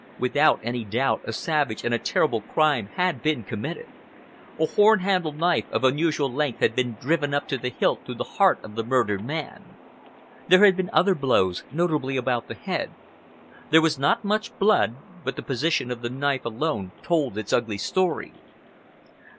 Without any doubt, a savage and a terrible crime had been committed. A hornhandled knife of unusual length had been driven up to the hilt through the heart of the murdered man. There had been other blows, notably about the head. There was not much blood, but the position of the knife alone told its ugly story.